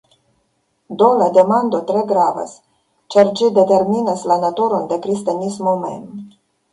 Do la demando tre gravas ĉar ĝi determinas la naturon de kristanismo mem.